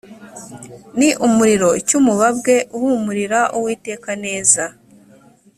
n umuriro cy umubabwe uhumurira uwiteka neza